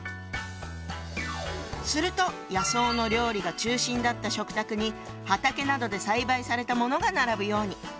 すると野草の料理が中心だった食卓に畑などで栽培されたものが並ぶように。